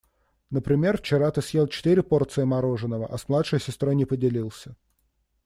Например, вчера ты съел четыре порции мороженого, а с младшей сестрой не поделился.